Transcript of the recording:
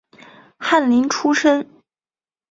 翰林出身。